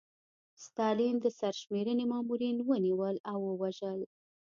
ستالین د سرشمېرنې مامورین ونیول او ووژل.